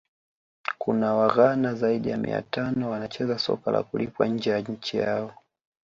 Kuna waghana zaidi ya mia tano wanacheza soka la kulipwa nje ya nchi yao